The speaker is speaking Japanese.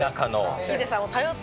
ヒデさんを頼って。